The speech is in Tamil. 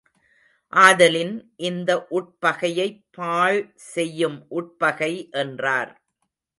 ஆதலின் இந்த உட்பகையைப் பாழ் செய்யும் உட்பகை என்றார்.